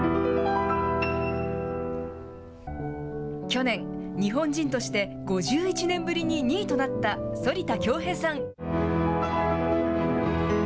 去年、日本人として５１年ぶりに２位となった反田恭平さん。